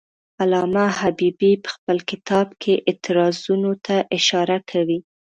علامه حبیبي په خپل کتاب کې اعتراضونو ته اشاره کوي.